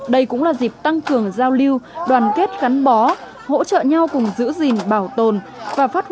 đây cũng là dịp tăng cường giao lưu đoàn kết khán giả